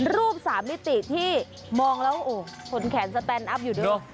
รูปสามมิติที่มองแล้วโอ้โหผลแขนสแตนอัพอยู่ด้วย